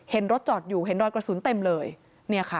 เห็นรถจอดอยู่เห็นรอยกระสุนเต็มเลยเนี่ยค่ะ